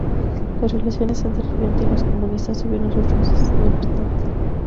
Las relaciones entre el Frente y los comunistas tuvieron sus roces, no obstante.